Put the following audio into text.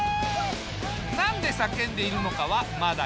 何で叫んでいるのかはまだ秘密。